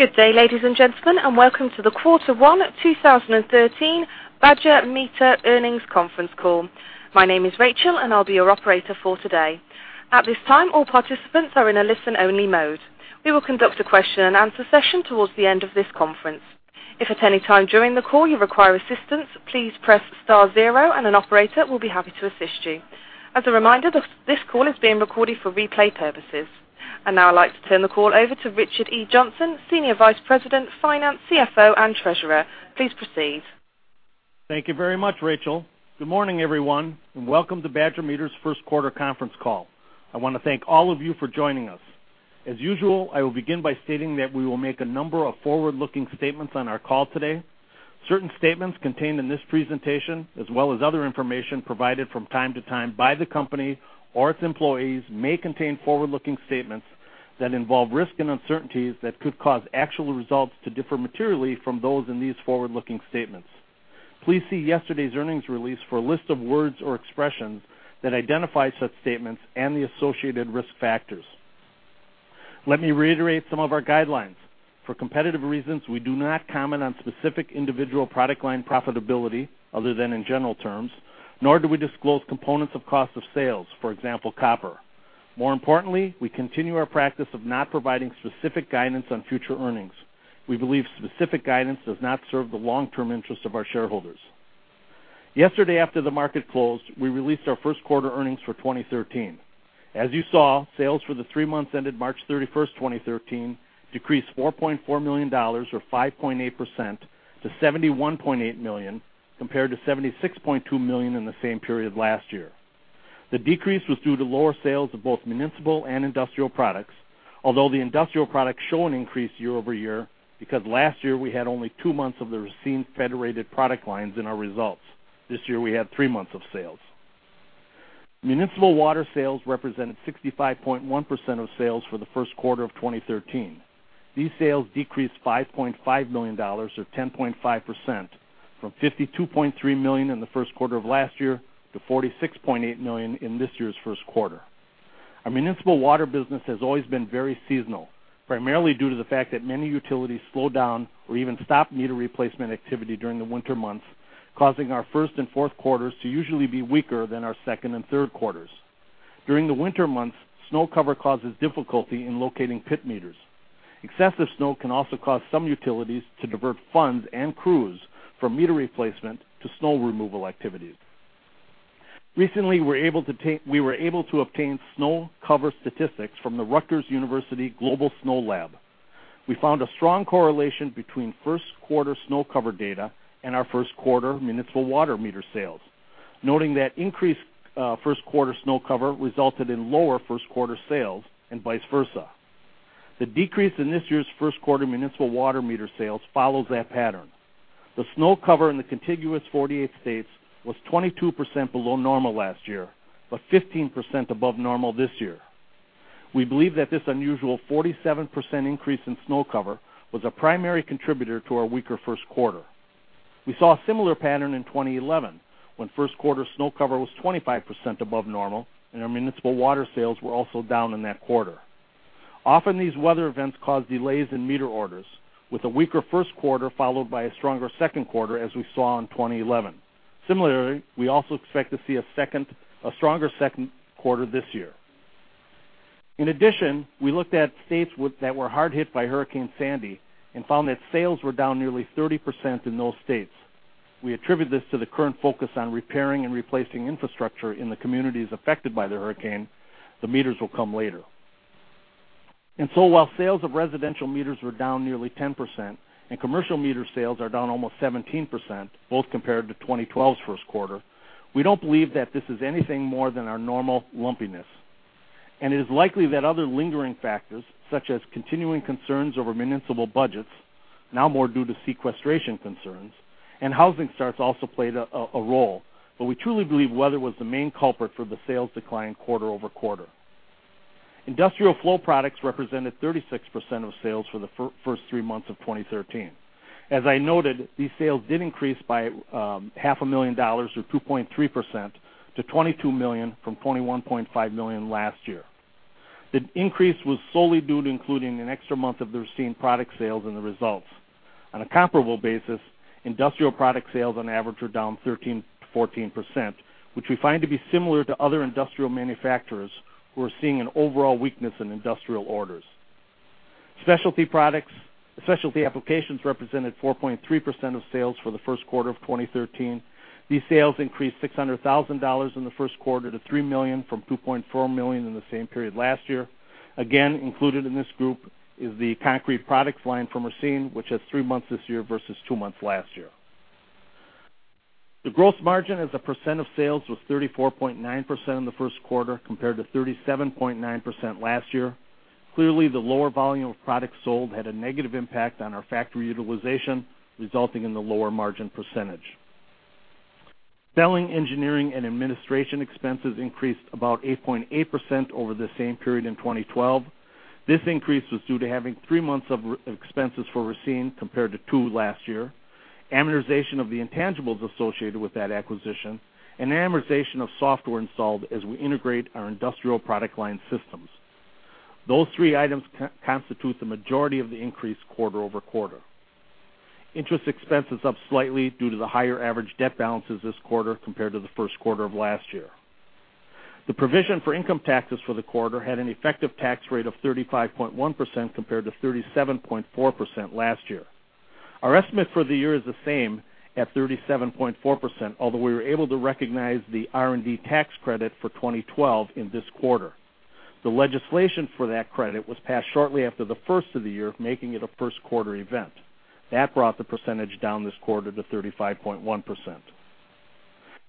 Good day, ladies and gentlemen, and welcome to the Q1 2013 Badger Meter Earnings Conference Call. My name is Rachel, and I'll be your operator for today. At this time, all participants are in a listen-only mode. We will conduct a question-and-answer session towards the end of this conference. If at any time during the call you require assistance, please press star zero and an operator will be happy to assist you. As a reminder, this call is being recorded for replay purposes. Now I'd like to turn the call over to Richard E. Johnson, Senior Vice President, Finance, CFO, and Treasurer. Please proceed. Thank you very much, Rachel. Good morning, everyone, and welcome to Badger Meter's first quarter conference call. I want to thank all of you for joining us. As usual, I will begin by stating that we will make a number of forward-looking statements on our call today. Certain statements contained in this presentation, as well as other information provided from time to time by the company or its employees, may contain forward-looking statements that involve risks and uncertainties that could cause actual results to differ materially from those in these forward-looking statements. Please see yesterday's earnings release for a list of words or expressions that identify such statements and the associated risk factors. Let me reiterate some of our guidelines. For competitive reasons, we do not comment on specific individual product line profitability, other than in general terms, nor do we disclose components of cost of sales, for example, copper. More importantly, we continue our practice of not providing specific guidance on future earnings. We believe specific guidance does not serve the long-term interest of our shareholders. Yesterday, after the market closed, we released our first quarter earnings for 2013. As you saw, sales for the three months ended March 31st, 2013, decreased $4.4 million or 5.8% to $71.8 million, compared to $76.2 million in the same period last year. The decrease was due to lower sales of both municipal and industrial products, although the industrial products show an increase year-over-year because last year we had only two months of the Racine Federated product lines in our results. This year we had three months of sales. Municipal water sales represented 65.1% of sales for the first quarter of 2013. These sales decreased $5.5 million, or 10.5%, from $52.3 million in the first quarter of last year to $46.8 million in this year's first quarter. Our municipal water business has always been very seasonal, primarily due to the fact that many utilities slow down or even stop meter replacement activity during the winter months, causing our first and fourth quarters to usually be weaker than our second and third quarters. During the winter months, snow cover causes difficulty in locating pit meters. Excessive snow can also cause some utilities to divert funds and crews from meter replacement to snow removal activities. Recently, we were able to obtain snow cover statistics from the Rutgers University Global Snow Lab. We found a strong correlation between first quarter snow cover data and our first quarter municipal water meter sales, noting that increased first quarter snow cover resulted in lower first quarter sales and vice versa. The decrease in this year's first quarter municipal water meter sales follows that pattern. The snow cover in the contiguous 48 states was 22% below normal last year, but 15% above normal this year. We believe that this unusual 47% increase in snow cover was a primary contributor to our weaker first quarter. We saw a similar pattern in 2011, when first quarter snow cover was 25% above normal and our municipal water sales were also down in that quarter. Often, these weather events cause delays in meter orders, with a weaker first quarter followed by a stronger second quarter, as we saw in 2011. Similarly, we also expect to see a stronger second quarter this year. In addition, we looked at states that were hard hit by Hurricane Sandy and found that sales were down nearly 30% in those states. We attribute this to the current focus on repairing and replacing infrastructure in the communities affected by the hurricane. The meters will come later. While sales of residential meters were down nearly 10% and commercial meter sales are down almost 17%, both compared to 2012's first quarter, we don't believe that this is anything more than our normal lumpiness. It is likely that other lingering factors, such as continuing concerns over municipal budgets, now more due to sequestration concerns, and housing starts also played a role. We truly believe weather was the main culprit for the sales decline quarter-over-quarter. Industrial flow products represented 36% of sales for the first three months of 2013. As I noted, these sales did increase by $500,000 or 2.3% to $22 million from $21.5 million last year. The increase was solely due to including an extra month of the Racine product sales in the results. On a comparable basis, industrial product sales on average are down 13%-14%, which we find to be similar to other industrial manufacturers who are seeing an overall weakness in industrial orders. Specialty applications represented 4.3% of sales for the first quarter of 2013. These sales increased $600,000 in the first quarter to $3 million from $2.4 million in the same period last year. Included in this group is the concrete products line from Racine, which has three months this year versus two months last year. The gross margin as a percent of sales was 34.9% in the first quarter, compared to 37.9% last year. Clearly, the lower volume of products sold had a negative impact on our factory utilization, resulting in the lower margin percentage. Selling, engineering, and administration expenses increased about 8.8% over the same period in 2012. This increase was due to having three months of expenses for Racine compared to two last year, amortization of the intangibles associated with that acquisition, and amortization of software installed as we integrate our industrial product line systems. Those three items constitute the majority of the increase quarter-over-quarter. Interest expense is up slightly due to the higher average debt balances this quarter compared to the first quarter of last year. The provision for income taxes for the quarter had an effective tax rate of 35.1% compared to 37.4% last year. Our estimate for the year is the same at 37.4%, although we were able to recognize the R&D tax credit for 2012 in this quarter. The legislation for that credit was passed shortly after the first of the year, making it a first quarter event. That brought the percentage down this quarter to 35.1%.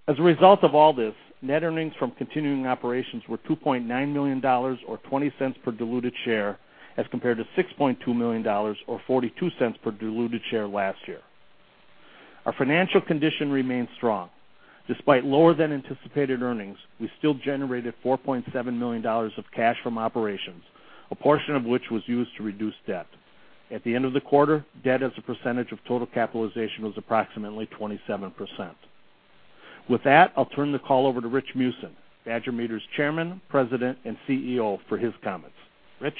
As a result of all this, net earnings from continuing operations were $2.9 million, or $0.20 per diluted share, as compared to $6.2 million or $0.42 per diluted share last year. Our financial condition remains strong. Despite lower than anticipated earnings, we still generated $4.7 million of cash from operations, a portion of which was used to reduce debt. At the end of the quarter, debt as a percentage of total capitalization was approximately 27%. With that, I'll turn the call over to Rich Meeusen, Badger Meter's Chairman, President, and CEO, for his comments. Rich?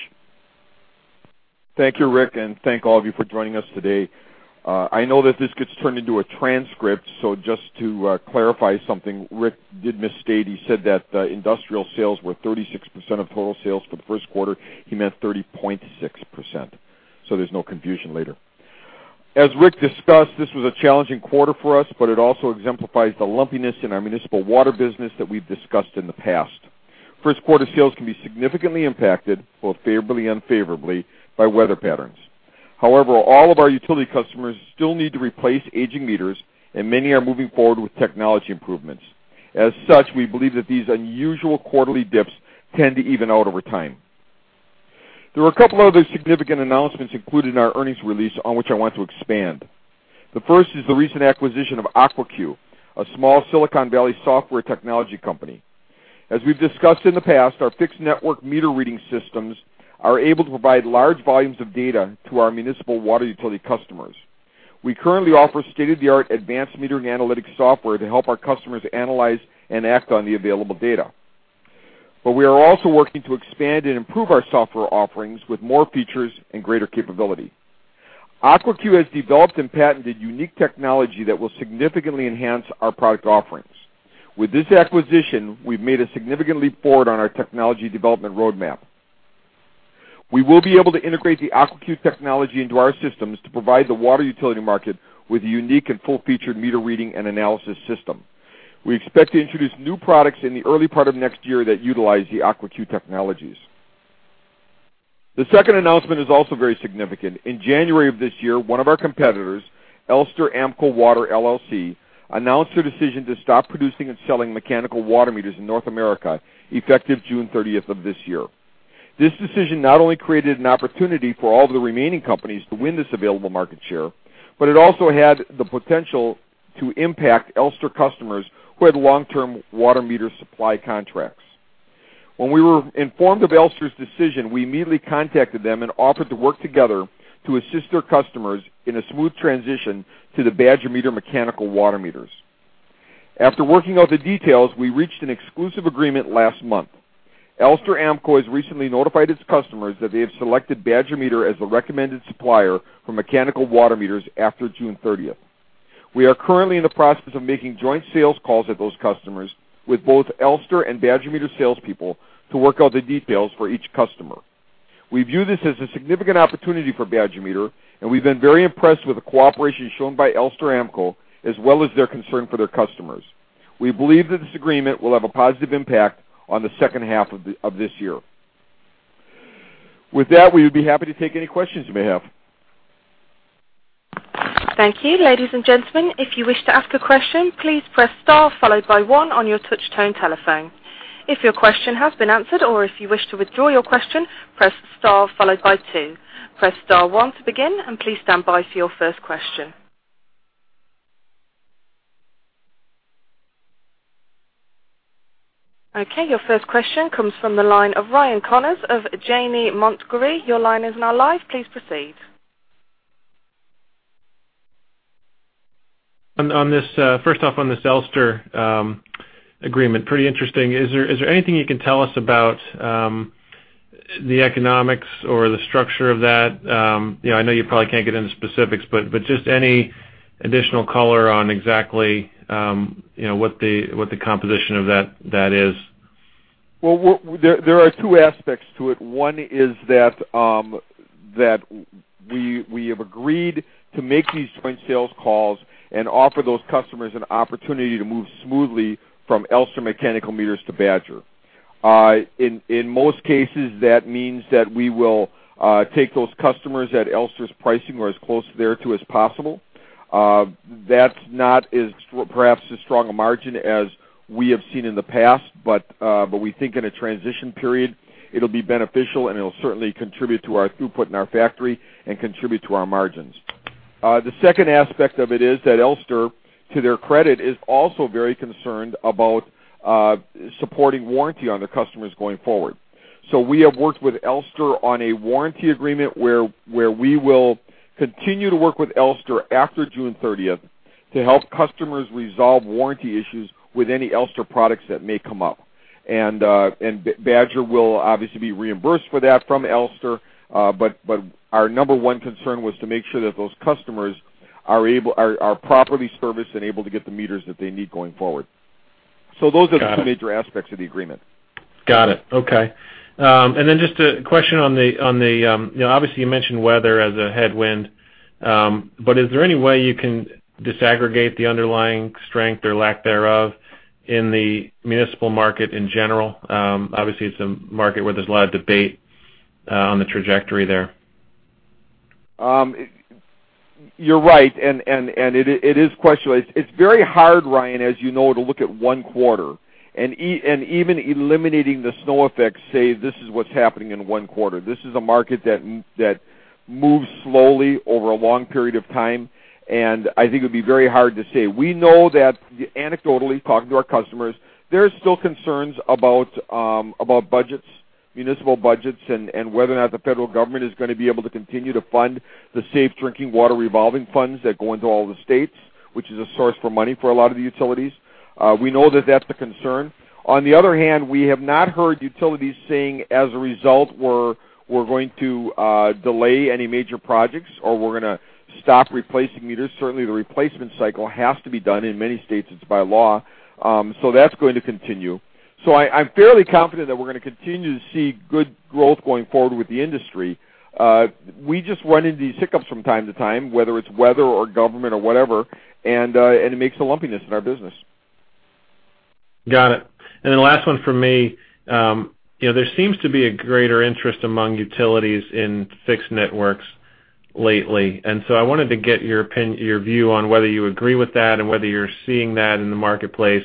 Thank you, Rick, and thank all of you for joining us today. I know that this gets turned into a transcript. Just to clarify something Rick did misstate. He said that industrial sales were 36% of total sales for the first quarter. He meant 30.6%. There's no confusion later. As Rick discussed, this was a challenging quarter for us, it also exemplifies the lumpiness in our municipal water business that we've discussed in the past. First quarter sales can be significantly impacted, both favorably and unfavorably, by weather patterns. However, all of our utility customers still need to replace aging meters, many are moving forward with technology improvements. As such, we believe that these unusual quarterly dips tend to even out over time. There were a couple other significant announcements included in our earnings release on which I want to expand. The first is the recent acquisition of Aquacue, a small Silicon Valley software technology company. As we've discussed in the past, our fixed network meter reading systems are able to provide large volumes of data to our municipal water utility customers. We currently offer state-of-the-art advanced metering analytics software to help our customers analyze and act on the available data. We are also working to expand and improve our software offerings with more features and greater capability. Aquacue has developed and patented unique technology that will significantly enhance our product offerings. With this acquisition, we've made a significant leap forward on our technology development roadmap. We will be able to integrate the Aquacue technology into our systems to provide the water utility market with a unique and full-featured meter reading and analysis system. We expect to introduce new products in the early part of next year that utilize the Aquacue technologies. The second announcement is also very significant. In January of this year, one of our competitors, Elster AMCO Water, LLC, announced their decision to stop producing and selling mechanical water meters in North America effective June 30th of this year. This decision not only created an opportunity for all of the remaining companies to win this available market share, it also had the potential to impact Elster customers who had long-term water meter supply contracts. When we were informed of Elster's decision, we immediately contacted them offered to work together to assist their customers in a smooth transition to the Badger Meter mechanical water meters. After working out the details, we reached an exclusive agreement last month. Elster AMCO has recently notified its customers that they have selected Badger Meter as the recommended supplier for mechanical water meters after June 30th. We are currently in the process of making joint sales calls at those customers with both Elster and Badger Meter salespeople to work out the details for each customer. We view this as a significant opportunity for Badger Meter, and we've been very impressed with the cooperation shown by Elster AMCO, as well as their concern for their customers. We believe that this agreement will have a positive impact on the second half of this year. With that, we would be happy to take any questions you may have. Thank you. Ladies and gentlemen, if you wish to ask a question, please press star followed by one on your touch tone telephone. If your question has been answered or if you wish to withdraw your question, press star followed by two. Press star one to begin, and please stand by for your first question. Your first question comes from the line of Ryan Connors of Janney Montgomery. Your line is now live. Please proceed. First off, on this Elster agreement, pretty interesting. Is there anything you can tell us about the economics or the structure of that? I know you probably can't get into specifics, but just any additional color on exactly what the composition of that is. There are two aspects to it. One is that we have agreed to make these joint sales calls and offer those customers an opportunity to move smoothly from Elster mechanical meters to Badger. In most cases, that means that we will take those customers at Elster's pricing or as close thereto as possible. That's not perhaps as strong a margin as we have seen in the past, we think in a transition period, it'll be beneficial, and it'll certainly contribute to our throughput in our factory and contribute to our margins. The second aspect of it is that Elster, to their credit, is also very concerned about supporting warranty on their customers going forward. We have worked with Elster on a warranty agreement where we will continue to work with Elster after June 30th to help customers resolve warranty issues with any Elster products that may come up. Badger will obviously be reimbursed for that from Elster. Our number one concern was to make sure that those customers are properly serviced and able to get the meters that they need going forward. Those are the two major aspects of the agreement. Got it. Okay. Then just a question on the, obviously you mentioned weather as a headwind. Is there any way you can disaggregate the underlying strength or lack thereof in the municipal market in general? Obviously, it's a market where there's a lot of debate on the trajectory there. You're right, it is question-based. It's very hard, Ryan, as you know, to look at one quarter, and even eliminating the snow effect, say, this is what's happening in one quarter. This is a market that moves slowly over a long period of time, and I think it would be very hard to say. We know that anecdotally, talking to our customers, there's still concerns about budgets, municipal budgets, and whether or not the federal government is going to be able to continue to fund the Drinking Water State Revolving Fund that go into all the states, which is a source for money for a lot of the utilities. We know that that's a concern. On the other hand, we have not heard utilities saying, as a result, we're going to delay any major projects or we're going to stop replacing meters. Certainly, the replacement cycle has to be done. In many states, it's by law. That's going to continue. I'm fairly confident that we're going to continue to see good growth going forward with the industry. We just run into these hiccups from time to time, whether it's weather or government or whatever, and it makes the lumpiness in our business. Got it. Last one from me. There seems to be a greater interest among utilities in fixed networks lately. I wanted to get your view on whether you agree with that and whether you're seeing that in the marketplace.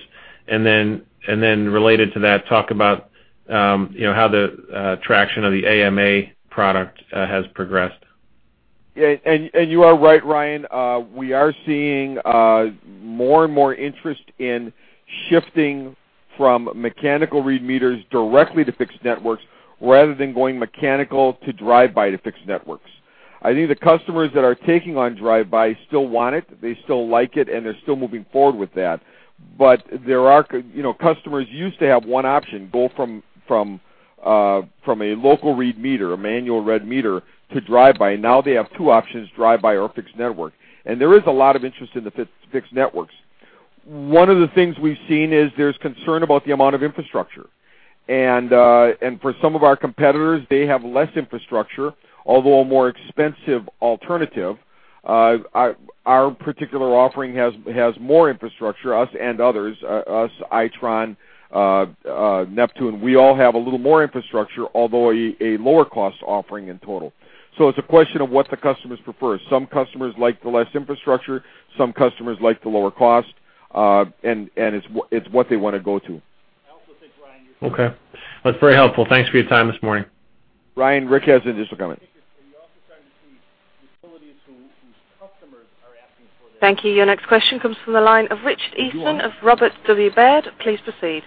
Related to that, talk about how the traction of the AMA product has progressed. Yeah. You are right, Ryan. We are seeing more and more interest in shifting from mechanical read meters directly to fixed networks rather than going mechanical to drive-by to fixed networks. I think the customers that are taking on drive-by still want it, they still like it, and they're still moving forward with that. Customers used to have one option, go from a local read meter, a manual read meter, to drive-by. Now they have two options, drive-by or fixed network. There is a lot of interest in the fixed networks. One of the things we've seen is there's concern about the amount of infrastructure. For some of our competitors, they have less infrastructure, although a more expensive alternative. Our particular offering has more infrastructure, us and others, us, Itron, Neptune. We all have a little more infrastructure, although a lower cost offering in total. It's a question of what the customers prefer. Some customers like the less infrastructure, some customers like the lower cost, and it's what they want to go to. Okay. That's very helpful. Thanks for your time this morning. Ryan, Rick has an additional comment. I think you're also starting to see utilities whose customers are asking for this. Thank you. Your next question comes from the line of Rich Eastman of Robert W. Baird. Please proceed.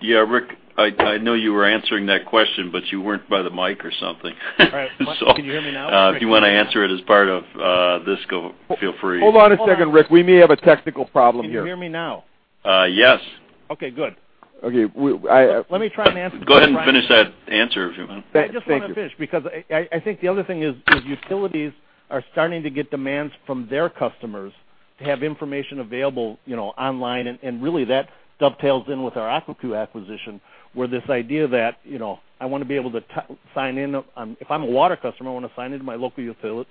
Yeah, Rick, I know you were answering that question, but you weren't by the mic or something. All right. Can you hear me now? If you want to answer it as part of this, feel free. Hold on a second, Rick. We may have a technical problem here. Can you hear me now? Yes. Okay, good. Okay. Let me try and answer- Go ahead and finish that answer if you want. I just want to finish, because I think the other thing is utilities are starting to get demands from their customers to have information available online, and really that dovetails in with our Aquacue acquisition, where this idea that, if I'm a water customer, I want to sign into my local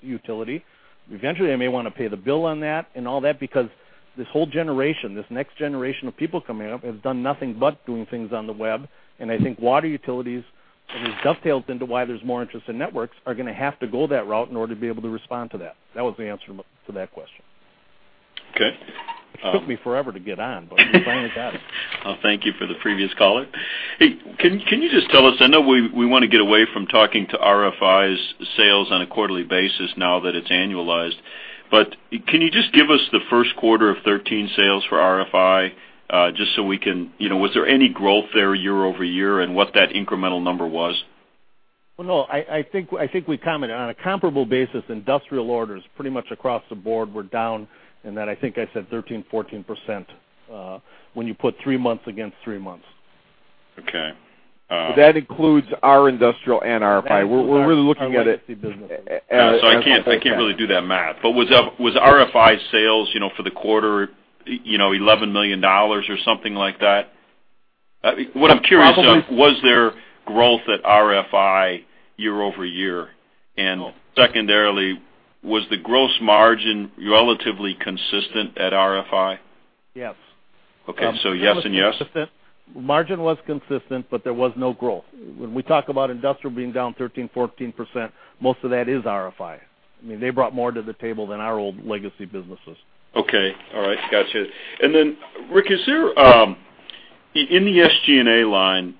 utility. Eventually, I may want to pay the bill on that and all that because this whole generation, this next generation of people coming up, have done nothing but doing things on the web. I think water utilities, and this dovetails into why there's more interest in networks, are going to have to go that route in order to be able to respond to that. That was the answer to that question. Okay. It took me forever to get on, but I'm finally got it. Thank you for the previous caller. Hey, can you just tell us, I know we want to get away from talking to RFI's sales on a quarterly basis now that it's annualized. Can you just give us the first quarter of 2013 sales for RFI. Was there any growth there year-over-year and what that incremental number was? Well, no. I think we commented on a comparable basis, industrial orders, pretty much across the board were down, and that I think I said 13, 14% when you put three months against three months. Okay. That includes our industrial and RFI. Our legacy business. As a whole. I can't really do that math. Was RFI sales, for the quarter, $11 million or something like that? What I'm curious of. Probably. Was there growth at RFI year-over-year? Secondarily, was the gross margin relatively consistent at RFI? Yes. Okay. Yes and yes. Margin was consistent, there was no growth. When we talk about industrial being down 13%-14%, most of that is RFI. They brought more to the table than our old legacy businesses. Okay. All right. Got you. Then Rick, in the SG&A line,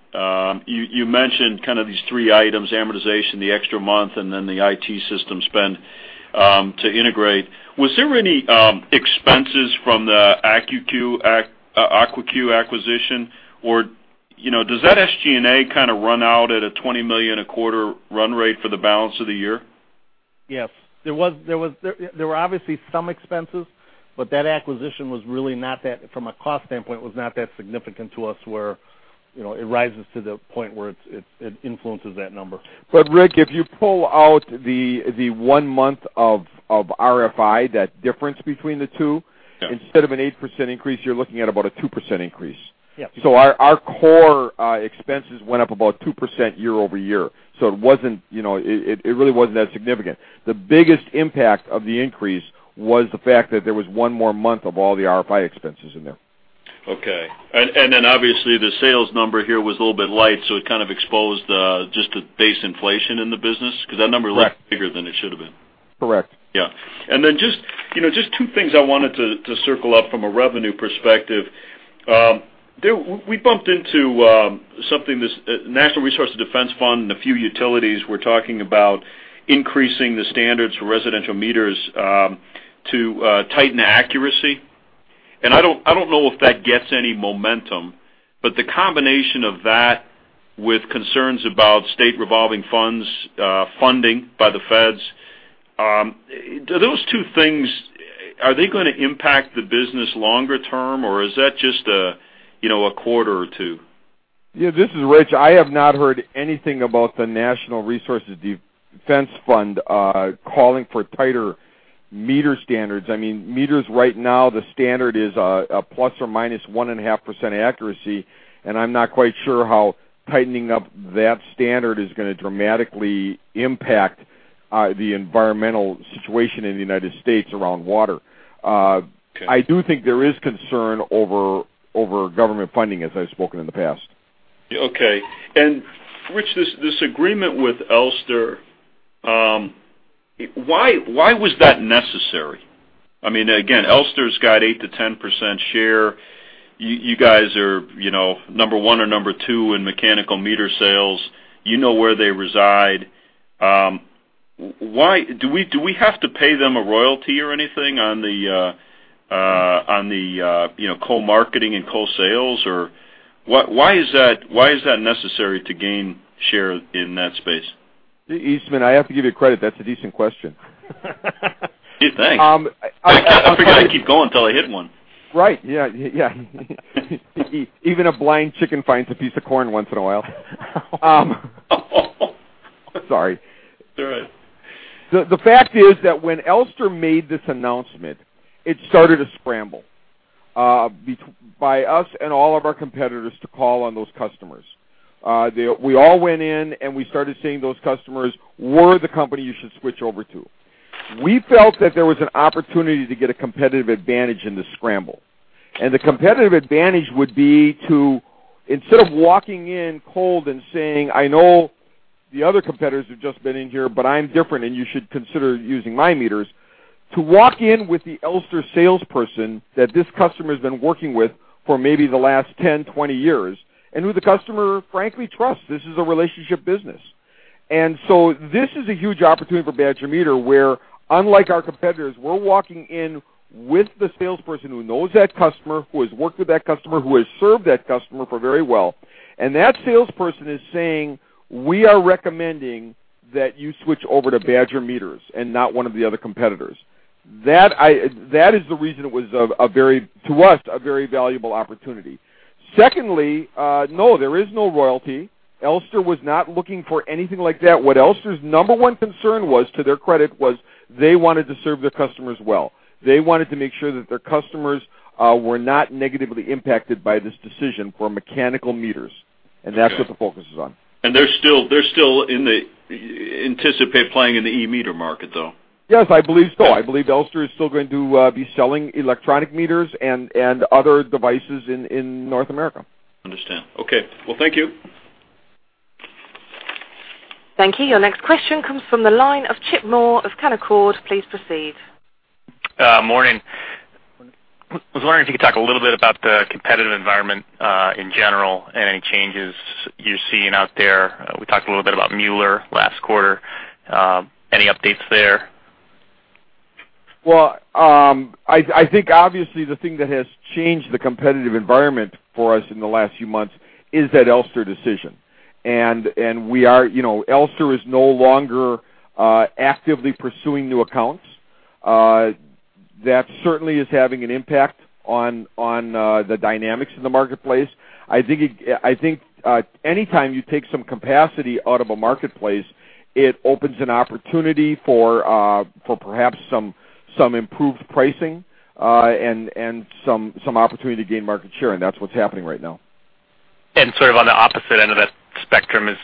you mentioned kind of these three items, amortization, the extra month, and the IT system spend to integrate. Was there any expenses from the Aquacue acquisition, or does that SG&A run out at a $20 million a quarter run rate for the balance of the year? Yes. There were obviously some expenses, that acquisition, from a cost standpoint, was not that significant to us where it rises to the point where it influences that number. Rick, if you pull out the one month of RFI, Yeah instead of an 8% increase, you're looking at about a 2% increase. Yes. Our core expenses went up about 2% year-over-year. It really wasn't that significant. The biggest impact of the increase was the fact that there was one more month of all the RFI expenses in there. Okay. Obviously, the sales number here was a little bit light, so it kind of exposed just the base inflation in the business? Correct looked bigger than it should've been. Correct. Yeah. Just two things I wanted to circle up from a revenue perspective. We bumped into something, this Natural Resources Defense Council and a few utilities were talking about increasing the standards for residential meters to tighten the accuracy. I don't know if that gets any momentum, the combination of that with concerns about State Revolving Funds funding by the feds, do those two things, are they going to impact the business longer term, or is that just a quarter or two? Yeah, this is Rich. I have not heard anything about the Natural Resources Defense Council calling for tighter meter standards. Meters right now, the standard is a ±1.5% accuracy. I'm not quite sure how tightening up that standard is going to dramatically impact the environmental situation in the U.S. around water. Okay. I do think there is concern over government funding, as I've spoken in the past. Okay. Rich, this agreement with Elster, why was that necessary? Again, Elster's got 8%-10% share. You guys are number 1 or number 2 in mechanical meter sales. You know where they reside. Do we have to pay them a royalty or anything on the co-marketing and co-sales, or why is that necessary to gain share in that space? Eastman, I have to give you credit. That's a decent question. Gee, thanks. I figured I'd keep going till I hit one. Right. Yeah. Even a blind chicken finds a piece of corn once in a while. Sorry. It's all right. The fact is that when Elster made this announcement, it started a scramble by us and all of our competitors to call on those customers. We all went in, and we started saying, "Those customers, we're the company you should switch over to." We felt that there was an opportunity to get a competitive advantage in the scramble. The competitive advantage would be to, instead of walking in cold and saying, "I know the other competitors have just been in here, but I'm different, and you should consider using my meters." To walk in with the Elster salesperson that this customer's been working with for maybe the last 10, 20 years, and who the customer frankly trusts. This is a relationship business. This is a huge opportunity for Badger Meter where, unlike our competitors, we're walking in with the salesperson who knows that customer, who has worked with that customer, who has served that customer very well. That salesperson is saying, "We are recommending that you switch over to Badger Meters and not one of the other competitors." That is the reason it was, to us, a very valuable opportunity. Secondly, no, there is no royalty. Elster was not looking for anything like that. What Elster's number 1 concern was, to their credit, was they wanted to serve their customers well. They wanted to make sure that their customers were not negatively impacted by this decision for mechanical meters, and that's what the focus is on. They're still anticipate playing in the e-meter market, though? Yes, I believe so. I believe Elster is still going to be selling electronic meters and other devices in North America. Understand. Okay. Well, thank you. Thank you. Your next question comes from the line of Chip Moore of Canaccord Genuity. Please proceed. Morning. I was wondering if you could talk a little bit about the competitive environment in general and any changes you're seeing out there. We talked a little bit about Mueller last quarter. Any updates there? Well, I think obviously the thing that has changed the competitive environment for us in the last few months is that Elster decision. Elster is no longer actively pursuing new accounts. That certainly is having an impact on the dynamics in the marketplace. I think anytime you take some capacity out of a marketplace, it opens an opportunity for perhaps some improved pricing, and some opportunity to gain market share, and that's what's happening right now. Sort of on the opposite end of that spectrum, is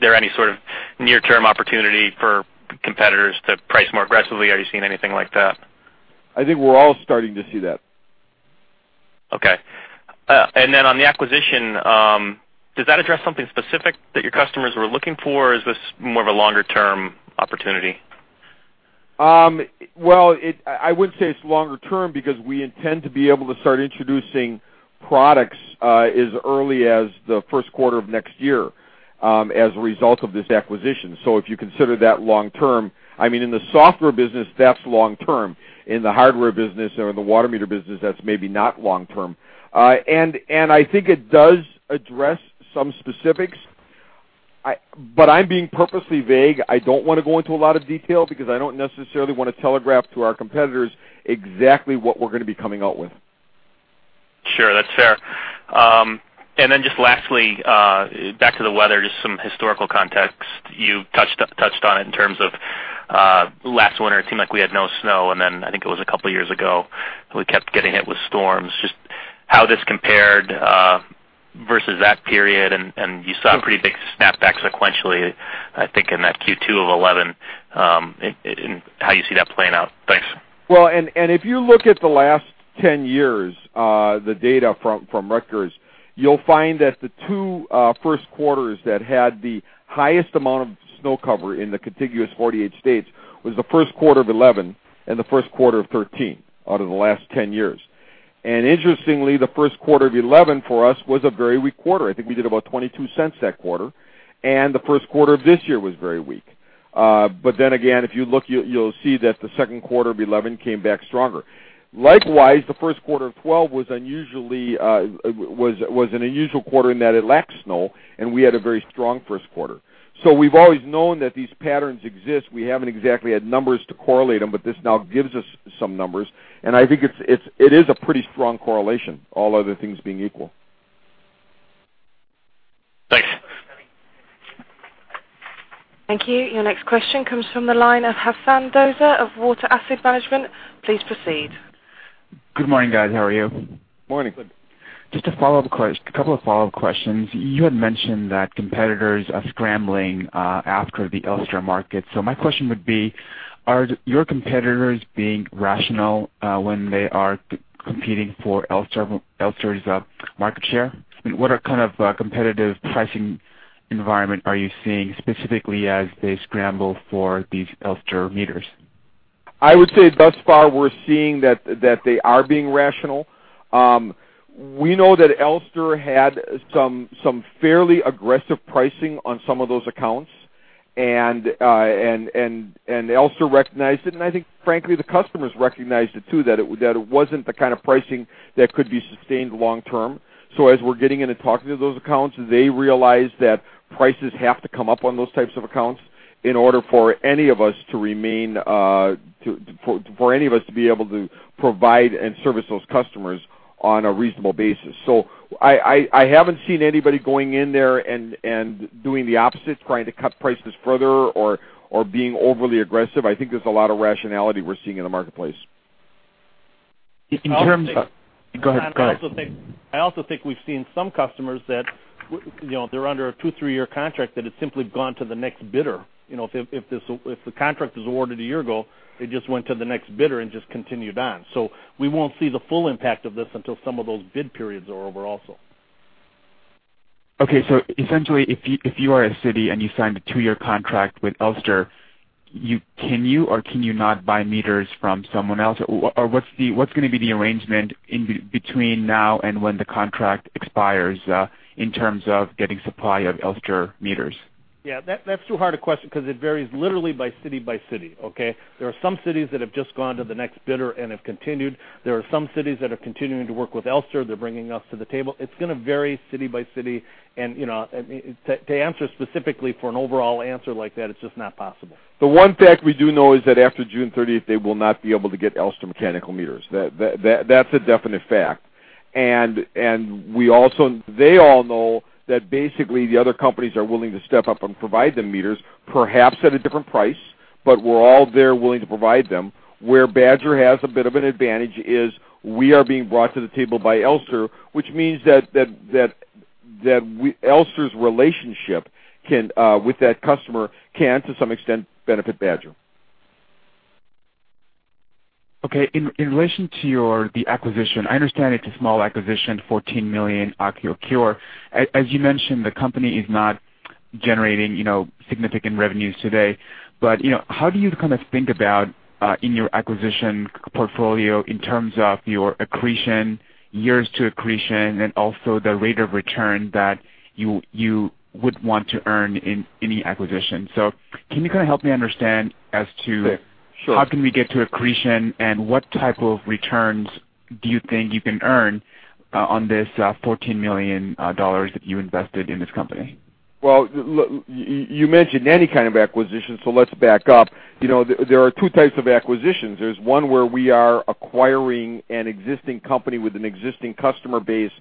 there any sort of near-term opportunity for competitors to price more aggressively? Are you seeing anything like that? I think we're all starting to see that. Okay. On the acquisition, does that address something specific that your customers were looking for, or is this more of a longer-term opportunity? Well, I would say it's longer term because we intend to be able to start introducing products as early as the first quarter of next year as a result of this acquisition. If you consider that long term, in the software business, that's long term. In the hardware business or in the water meter business, that's maybe not long term. I think it does address some specifics. I'm being purposely vague. I don't want to go into a lot of detail because I don't necessarily want to telegraph to our competitors exactly what we're going to be coming out with. Sure. That's fair. Just lastly, back to the weather, just some historical context. You touched on it in terms of last winter, it seemed like we had no snow, then I think it was a couple of years ago, we kept getting hit with storms. Just how this compared versus that period, you saw a pretty big snap back sequentially, I think, in that Q2 of 2011, how you see that playing out. Thanks. If you look at the last 10 years, the data from records, you'll find that the two first quarters that had the highest amount of snow cover in the contiguous 48 states was the first quarter of 2011 and the first quarter of 2013 out of the last 10 years. Interestingly, the first quarter of 2011 for us was a very weak quarter. I think we did about $0.22 that quarter, and the first quarter of this year was very weak. Again, if you look, you'll see that the second quarter of 2011 came back stronger. Likewise, the first quarter of 2012 was an unusual quarter in that it lacked snow, and we had a very strong first quarter. We've always known that these patterns exist. We haven't exactly had numbers to correlate them. This now gives us some numbers, I think it is a pretty strong correlation, all other things being equal. Thanks. Thank you. Your next question comes from the line of Hasan Doza of Water Asset Management. Please proceed. Good morning, guys. How are you? Morning. Just a couple of follow-up questions. You had mentioned that competitors are scrambling after the Elster market. My question would be, are your competitors being rational when they are competing for Elster's market share? What competitive pricing environment are you seeing specifically as they scramble for these Elster meters? I would say thus far, we're seeing that they are being rational. We know that Elster had some fairly aggressive pricing on some of those accounts, and Elster recognized it, and I think frankly, the customers recognized it too, that it wasn't the kind of pricing that could be sustained long term. As we're getting in and talking to those accounts, they realize that prices have to come up on those types of accounts in order for any of us to be able to provide and service those customers on a reasonable basis. I haven't seen anybody going in there and doing the opposite, trying to cut prices further or being overly aggressive. I think there's a lot of rationality we're seeing in the marketplace. Go ahead. I also think we've seen some customers that they're under a two, three-year contract that has simply gone to the next bidder. If the contract was awarded a year ago, it just went to the next bidder and just continued on. We won't see the full impact of this until some of those bid periods are over also. Essentially, if you are a city and you signed a two-year contract with Elster, can you or can you not buy meters from someone else? Or what's going to be the arrangement between now and when the contract expires in terms of getting supply of Elster meters? Yeah, that's too hard a question because it varies literally by city by city. Okay. There are some cities that have just gone to the next bidder and have continued. There are some cities that are continuing to work with Elster. They're bringing us to the table. To answer specifically for an overall answer like that, it's just not possible. The one fact we do know is that after June 30th, they will not be able to get Elster mechanical meters. That's a definite fact. They all know that basically the other companies are willing to step up and provide them meters, perhaps at a different price, but we're all there willing to provide them. Where Badger has a bit of an advantage is we are being brought to the table by Elster, which means that Elster's relationship with that customer can, to some extent, benefit Badger. Okay. In relation to the acquisition, I understand it's a small acquisition, $14 million, Aquacue. As you mentioned, the company is not generating significant revenues today, how do you think about in your acquisition portfolio in terms of your accretion, years to accretion, and also the rate of return that you would want to earn in any acquisition? Can you help me understand as to how can we get to accretion, and what type of returns do you think you can earn on this $14 million that you invested in this company? You mentioned any kind of acquisition, so let's back up. There are two types of acquisitions. There is one where we are acquiring an existing company with an existing customer base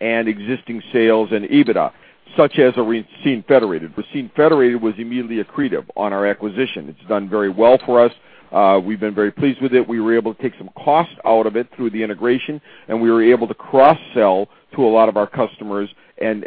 and existing sales and EBITDA, such as Racine Federated. Racine Federated was immediately accretive on our acquisition. It has done very well for us. We have been very pleased with it. We were able to take some cost out of it through the integration, and we were able to cross-sell to a lot of our customers and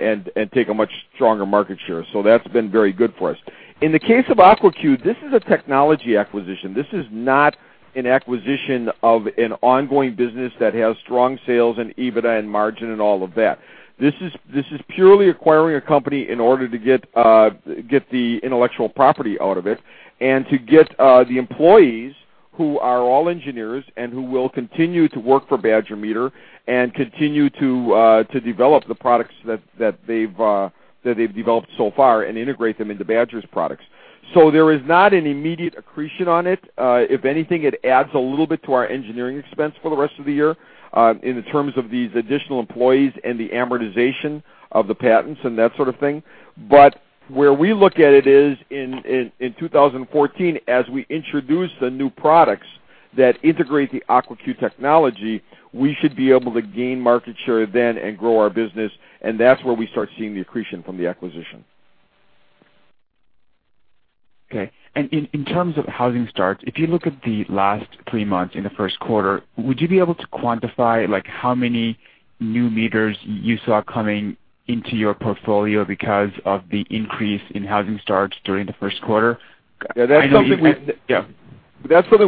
take a much stronger market share. That has been very good for us. In the case of Aquacue, this is a technology acquisition. This is not an acquisition of an ongoing business that has strong sales and EBITDA and margin and all of that. This is purely acquiring a company in order to get the intellectual property out of it and to get the employees who are all engineers and who will continue to work for Badger Meter and continue to develop the products that they have developed so far and integrate them into Badger's products. There is not an immediate accretion on it. If anything, it adds a little bit to our engineering expense for the rest of the year, in the terms of these additional employees and the amortization of the patents and that sort of thing. Where we look at it is, in 2014, as we introduce the new products that integrate the Aquacue technology, we should be able to gain market share then and grow our business, and that is where we start seeing the accretion from the acquisition. Okay. In terms of housing starts, if you look at the last three months in the first quarter, would you be able to quantify how many new meters you saw coming into your portfolio because of the increase in housing starts during the first quarter? That is something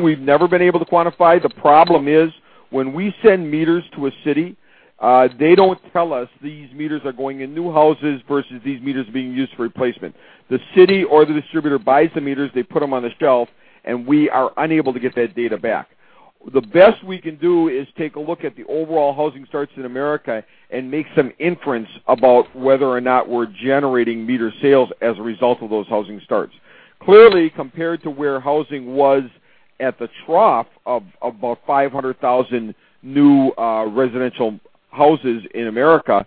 we have never been able to quantify. The problem is, when we send meters to a city, they do not tell us these meters are going in new houses versus these meters being used for replacement. The city or the distributor buys the meters, they put them on the shelf, and we are unable to get that data back. The best we can do is take a look at the overall housing starts in America and make some inference about whether or not we are generating meter sales as a result of those housing starts. Clearly, compared to where housing was at the trough of about 500,000 new residential houses in America,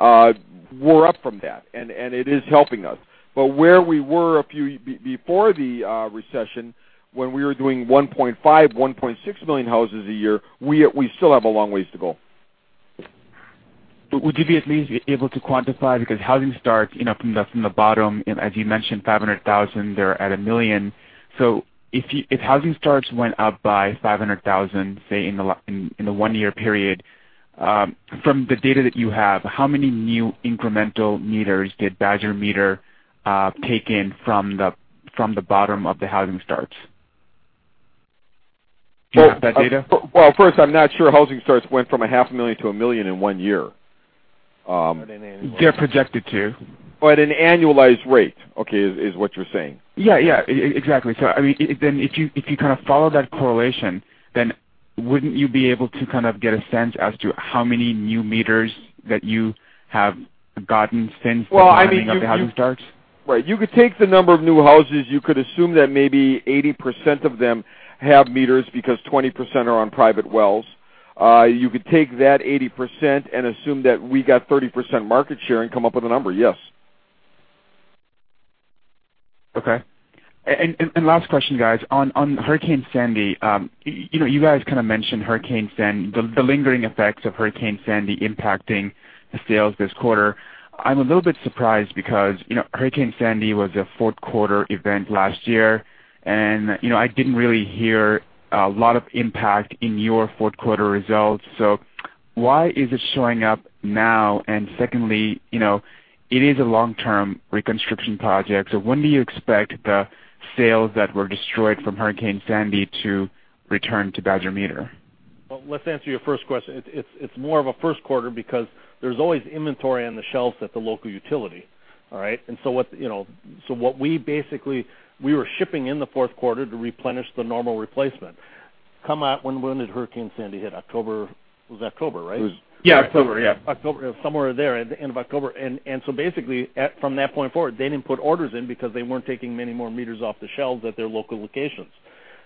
we are up from that, and it is helping us. Where we were before the recession, when we were doing 1.5, 1.6 million houses a year, we still have a long ways to go. Would you be at least able to quantify, because housing starts, from the bottom, as you mentioned, 500,000, they're at 1 million. If housing starts went up by 500,000, say in the one-year period, from the data that you have, how many new incremental meters did Badger Meter take in from the bottom of the housing starts? Do you have that data? Well, first, I'm not sure housing starts went from a half a million to 1 million in one year. They're projected to. An annualized rate, okay, is what you're saying. Yeah. Exactly. If you kind of follow that correlation, wouldn't you be able to get a sense as to how many new meters that you have gotten since the beginning of the housing starts? Right. You could take the number of new houses. You could assume that maybe 80% of them have meters because 20% are on private wells. You could take that 80% and assume that we got 30% market share and come up with a number, yes. Okay. Last question, guys. On Hurricane Sandy, you guys kind of mentioned the lingering effects of Hurricane Sandy impacting the sales this quarter. I'm a little bit surprised because, Hurricane Sandy was a fourth quarter event last year, I didn't really hear a lot of impact in your fourth quarter results. Why is it showing up now? Secondly, it is a long-term reconstruction project, when do you expect the sales that were destroyed from Hurricane Sandy to return to Badger Meter? Well, let's answer your first question. It's more of a first quarter because there's always inventory on the shelves at the local utility. All right? We were shipping in the fourth quarter to replenish the normal replacement. When did Hurricane Sandy hit? October. It was October, right? Yeah, October. Yeah. October, somewhere in there, at the end of October. Basically, from that point forward, they didn't put orders in because they weren't taking many more meters off the shelves at their local locations.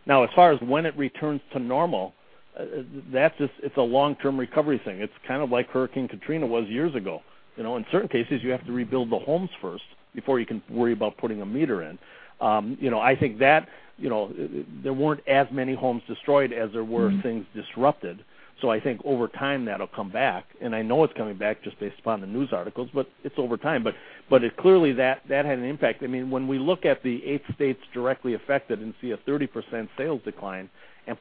Now, as far as when it returns to normal, it's a long-term recovery thing. It's kind of like Hurricane Katrina was years ago. In certain cases, you have to rebuild the homes first before you can worry about putting a meter in. I think there weren't as many homes destroyed as there were things disrupted. I think over time, that'll come back, and I know it's coming back just based upon the news articles, but it's over time. Clearly that had an impact. When we look at the eight states directly affected and see a 30% sales decline,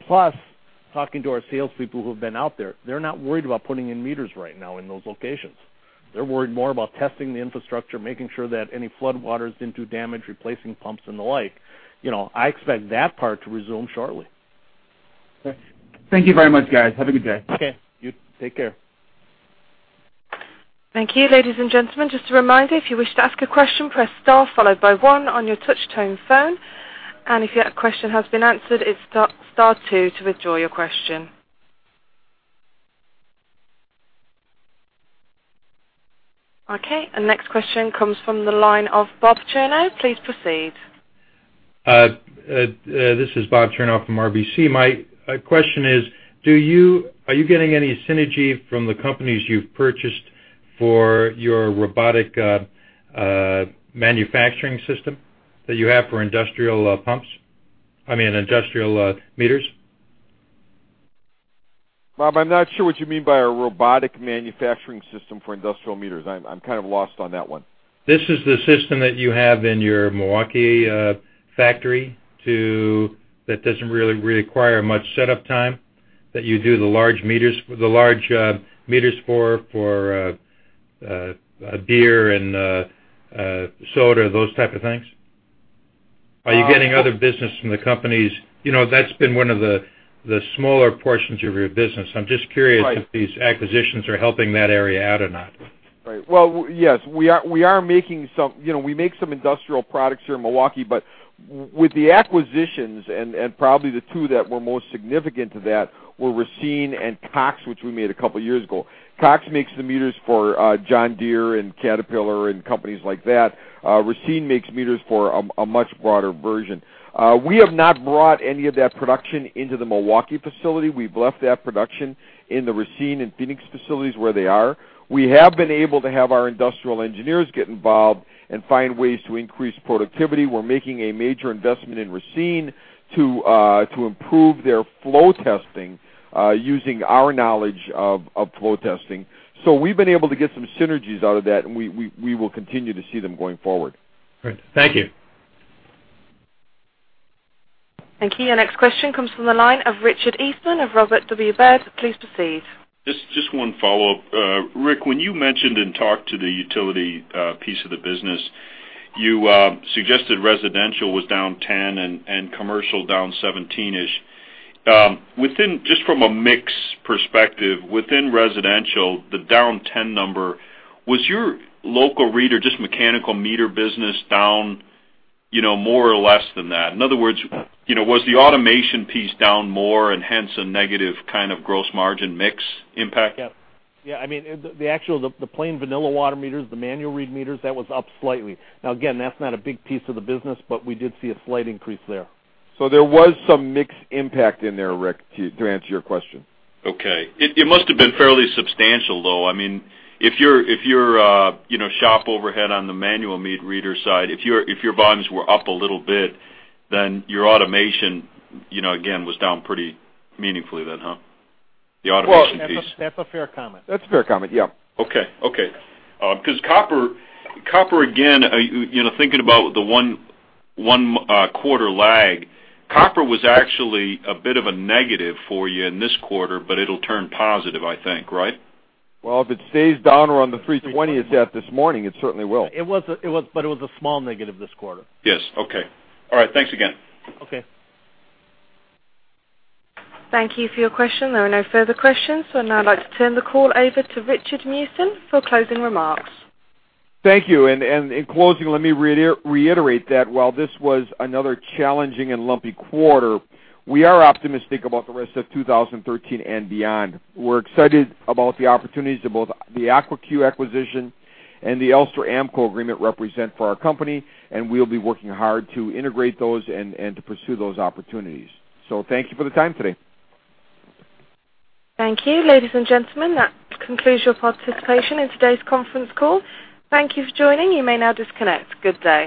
plus talking to our salespeople who have been out there, they're not worried about putting in meters right now in those locations. They're worried more about testing the infrastructure, making sure that any floodwaters didn't do damage, replacing pumps, and the like. I expect that part to resume shortly. Okay. Thank you very much, guys. Have a good day. Okay. You take care. Thank you. Ladies and gentlemen, just a reminder, if you wish to ask a question, press star followed by one on your touch tone phone. If your question has been answered, it is star two to withdraw your question. Our next question comes from the line of Bob Chernow. Please proceed. This is Bob Chernoff from RBC. My question is, are you getting any synergy from the companies you have purchased for your robotic manufacturing system that you have for industrial pumps, I mean, industrial meters? Bob, I am not sure what you mean by our robotic manufacturing system for industrial meters. I am kind of lost on that one. This is the system that you have in your Milwaukee factory, that doesn't really require much setup time, that you do the large meters for beer and soda, those type of things. Are you getting other business from the companies? That's been one of the smaller portions of your business. I'm just curious if these acquisitions are helping that area out or not. Right. Well, yes, we make some industrial products here in Milwaukee, with the acquisitions and probably the two that were most significant to that were Racine and Cox, which we made a couple of years ago. Cox makes the meters for John Deere and Caterpillar and companies like that. Racine makes meters for a much broader version. We have not brought any of that production into the Milwaukee facility. We've left that production in the Racine and Phoenix facilities where they are. We have been able to have our industrial engineers get involved and find ways to increase productivity. We're making a major investment in Racine to improve their flow testing, using our knowledge of flow testing. We've been able to get some synergies out of that, and we will continue to see them going forward. Great. Thank you. Thank you. Your next question comes from the line of Richard Eastman of Robert W. Baird. Please proceed. Just one follow-up. Rick, when you mentioned and talked to the utility piece of the business, you suggested residential was down 10% and commercial down 17%-ish. Just from a mix perspective, within residential, the down 10% number, was your local reader, just mechanical meter business down more or less than that? In other words, was the automation piece down more and hence a negative kind of gross margin mix impact? Yeah. The actual, the plain vanilla water meters, the manual read meters, that was up slightly. Again, that's not a big piece of the business, we did see a slight increase there. There was some mix impact in there, Rick, to answer your question. Okay. It must have been fairly substantial, though. If your shop overhead on the manual meter reader side, if your volumes were up a little bit, your automation, again, was down pretty meaningfully then, huh, the automation piece? That's a fair comment. That's a fair comment, yep. Okay. Copper, again, thinking about the one quarter lag, copper was actually a bit of a negative for you in this quarter, but it'll turn positive, I think, right? Well, if it stays down around the $320 it's at this morning, it certainly will. It was a small negative this quarter. Yes. Okay. All right. Thanks again. Okay. Thank you for your question. There are no further questions, now I'd like to turn the call over to Richard Meeusen for closing remarks. Thank you. In closing, let me reiterate that while this was another challenging and lumpy quarter, we are optimistic about the rest of 2013 and beyond. We're excited about the opportunities that both the Aquacue acquisition and the Elster AMCO agreement represent for our company, and we'll be working hard to integrate those and to pursue those opportunities. Thank you for the time today. Thank you. Ladies and gentlemen, that concludes your participation in today's conference call. Thank you for joining. You may now disconnect. Good day.